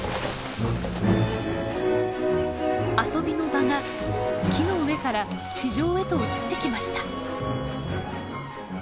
遊びの場が木の上から地上へと移ってきました。